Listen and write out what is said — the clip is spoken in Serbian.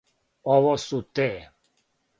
Ово су те.